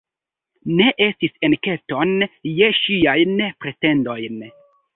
Ne estis enketon je ŝiajn pretendojn.